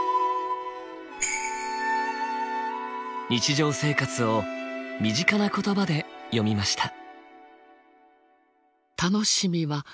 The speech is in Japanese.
日常生活を身近な言葉で詠みました。